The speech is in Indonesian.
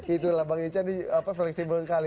itulah bang ican ini fleksibel sekali